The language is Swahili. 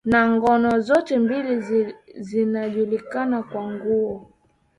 na ngono zote mbili zinajulikana kwa nguo